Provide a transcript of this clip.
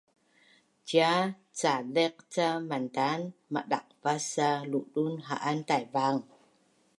Ciat Cazeq ca mantan madaqvasa ludun ha’an Taivang